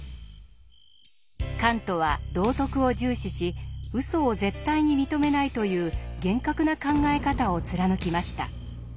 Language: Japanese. カントは道徳を重視しうそを絶対に認めないという厳格な考え方を貫きました。